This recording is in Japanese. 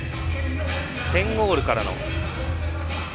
１０オールからの。